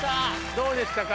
どうでしたか？